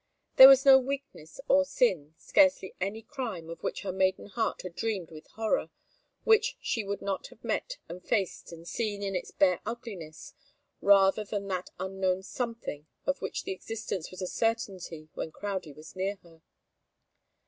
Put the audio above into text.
There was no weakness or sin, scarcely any crime of which her maiden heart had dreamed with horror, which she would not have met and faced and seen in its bare ugliness, rather than that unknown something of which the existence was a certainty when Crowdie was near her.